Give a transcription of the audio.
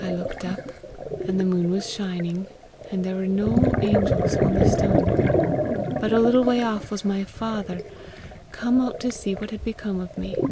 I looked up, and the moon was shining, and there were no angels on the stone. But a little way off was my father, come out to see what had become of me."